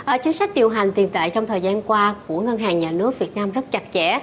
chính sách điều hành tiền tệ trong thời gian qua của ngân hàng nhà nước việt nam rất chặt chẽ